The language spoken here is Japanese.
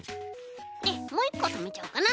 もういっことめちゃおうかな。